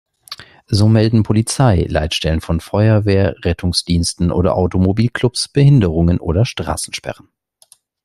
So melden Polizei, Leitstellen von Feuerwehr, Rettungsdiensten oder Automobilclubs Behinderungen oder Straßensperren.